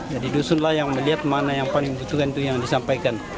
jadi dusun lah yang melihat mana yang paling dibutuhkan itu yang disampaikan